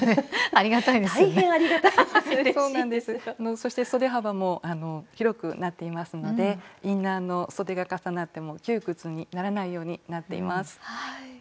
そしてそで幅も広くなっていますのでインナーのそでが重なっても窮屈にならないようになっています。